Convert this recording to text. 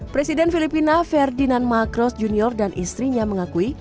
presiden filipina ferdinand macros junior dan istrinya mengakui